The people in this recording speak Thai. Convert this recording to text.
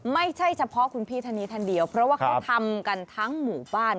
ไม่ใช่เฉพาะคุณพี่ท่านนี้ท่านเดียวเพราะว่าเขาทำกันทั้งหมู่บ้าน